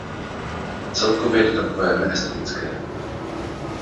A celkově to je takové neestetické.